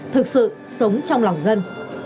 thực sự sống trong lòng dân